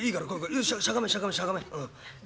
よししゃがめしゃがめしゃがめ」。